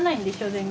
全然。